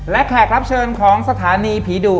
และแขกรับเชิญของสถานีผีดุ